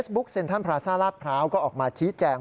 เฟสบุ๊กเซ็นทันภาราซาลปลาลก็ออกมาชี้แจง